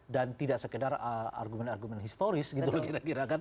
dan tidak sekedar argumen argumen historis gitu kira kira kan